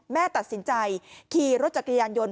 แม่ตัดสินใจขี่รถจักรยานยนต์